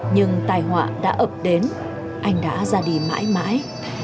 nhưng tài họa đã ập đến anh đã ra đi mãi mãi